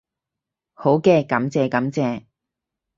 好嘅，感謝感謝